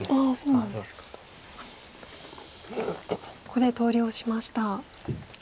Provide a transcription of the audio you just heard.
ここで投了しました。